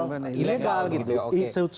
organisasi ilegal ilegal gitu